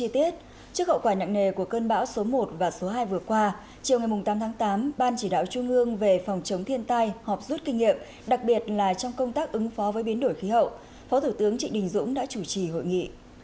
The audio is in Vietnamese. trước hậu quả nặng nề của cơn bão số một và số hai vừa qua chiều ngày tám tháng tám ban chỉ đạo trung ương về phòng chống thiên tai họp rút kinh nghiệm đặc biệt là trong công tác ứng phó với biến đổi khí hậu phó thủ tướng trịnh đình dũng đã chủ trì hội nghị